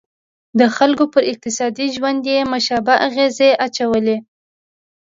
د خلکو پر اقتصادي ژوند یې مشابه اغېزې ښندلې.